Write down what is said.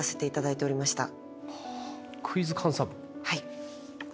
はい。